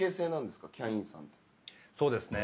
そうですね。